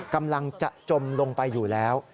กำลังจะจมลงไปอยู่แล้ว